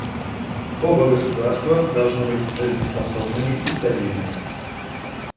Оба государства должны быть жизнеспособными и стабильными.